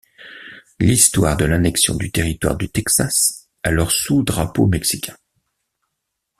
L'histoire de l'annexion du territoire du Texas, alors sous drapeau mexicain.